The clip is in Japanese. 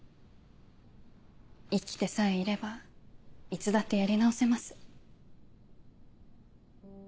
生きてさえいればいつだってやり直せます。